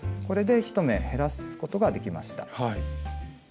これで１目減らすことができました。